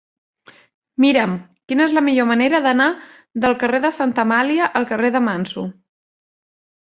Mira'm quina és la millor manera d'anar del carrer de Santa Amàlia al carrer de Manso.